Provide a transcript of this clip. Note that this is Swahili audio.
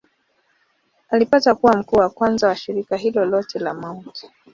Alipata kuwa mkuu wa kwanza wa shirika hilo lote la Mt.